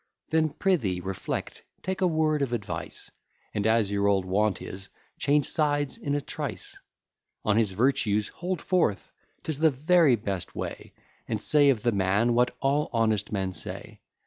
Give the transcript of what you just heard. Then, pr'ythee, reflect, take a word of advice; And, as your old wont is, change sides in a trice: On his virtues hold forth; 'tis the very best way; And say of the man what all honest men say.